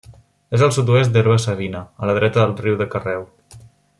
És al sud-oest d'Herba-savina, a la dreta del riu de Carreu.